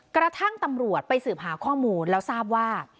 กระทั่งตำรวจไปสืบหาข้อมูลแล้วทราบว่า